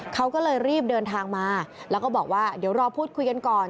เขาก็เลยรีบเดินทางมาแล้วก็บอกว่าเดี๋ยวรอพูดคุยกันก่อน